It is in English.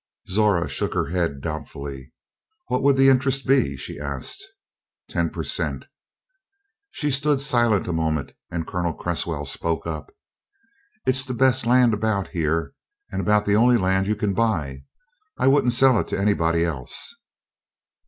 Zora shook her head doubtfully. "What would the interest be?" she asked. "Ten per cent." She stood silent a moment and Colonel Cresswell spoke up: "It's the best land about here and about the only land you can buy I wouldn't sell it to anybody else."